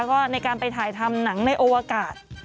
ก็ในการไปถ่ายทำหนังในโอวากาศ